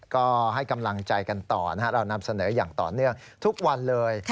ก็ให้กำลังใจกันต่อนะครับเรานำเสนออย่างต่อเนื่องทุกวันเลย